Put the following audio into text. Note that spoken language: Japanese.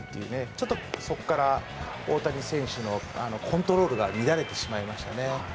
ちょっとそこから大谷選手のコントロールが乱れてしまいましたね。